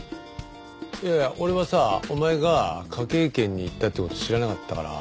いやいや俺はさお前が科警研に行ったって事知らなかったから。